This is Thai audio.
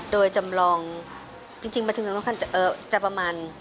โดยจำลองจริงประสิทธิ์ทองคำจะประมาณ